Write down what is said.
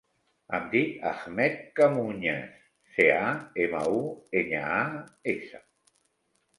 Em dic Ahmed Camuñas: ce, a, ema, u, enya, a, essa.